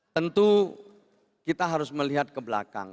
tentu kita harus melihat ke belakang